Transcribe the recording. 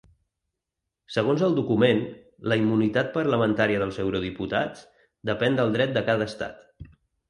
Segons el document, la immunitat parlamentària dels eurodiputats depèn del dret de cada estat.